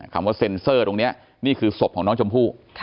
คำว่าเซ็นเซอร์ตรงนี้นี่คือศพของน้องชมพู่